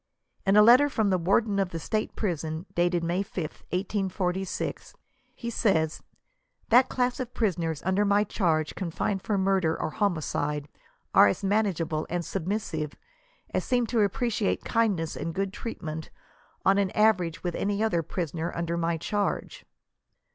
In a letter, from the Warden of the State prison, dated May 5th, 1846, he says, "that class of pri soners under my charge, confined for murder or homicide, are as manageable and submissive, and s^em to appreciate kindness and good treatment, on an average with any other prisoners under my charge."